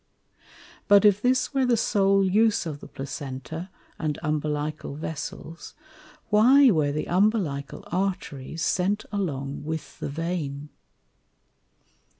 But if this were the sole use of the Placenta, and Umbilical Vessels, why were the Umbilical Arteries sent along with the Vein?